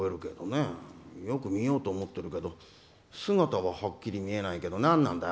よく見ようと思うけど姿ははっきり見えないけどなんなんだい？